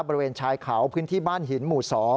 บริเวณชายเขาพื้นที่บ้านหินหมู่๒